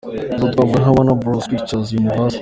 izo twavuga nka Warner Bros Pictures, Universal.